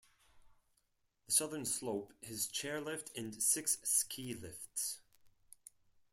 The southern slope has chair lift and six ski lifts.